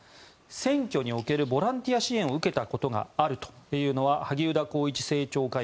選挙におけるボランティア支援が受けたことがあるというのは萩生田光一政調会